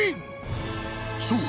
［そう。